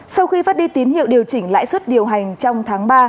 sau khi phát đi tín hiệu điều chỉnh lãi suất điều hành trong tháng ba